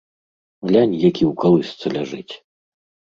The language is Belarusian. Глянь, які ў калысцы ляжыць.